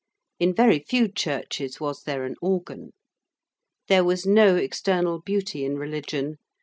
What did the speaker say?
In very few churches was there an organ. There was no external beauty in religion.